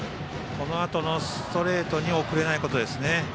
このあとのストレートに遅れないことですね。